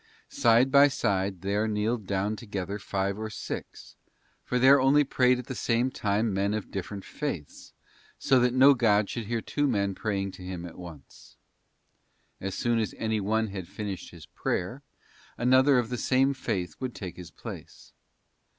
Side by side there kneeled down together five or six, for there only prayed at the same time men of different faiths, so that no god should hear two men praying to him at once. As soon as any one had finished his prayer, another of the same faith would take his place.